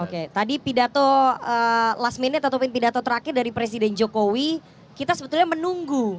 oke tadi pidato last minute ataupun pidato terakhir dari presiden jokowi kita sebetulnya menunggu